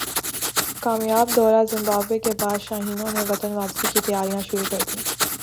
کامیاب دورہ زمبابوے کے بعد شاہینوں نے وطن واپسی کی تیاریاں شروع کردیں